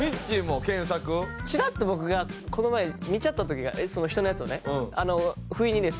チラッと僕がこの前見ちゃった時が人のやつをね不意にですよ。